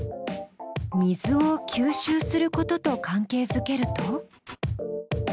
水を吸収することと関係づけると？